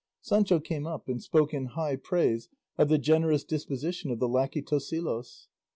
Sancho came up and spoke in high praise of the generous disposition of the lacquey Tosilos.